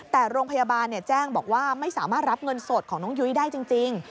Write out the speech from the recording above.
แต่โรงพยาบาลแจ้งบอกว่าไม่สามารถรับเงินสดของน้องยุ้ยได้จริง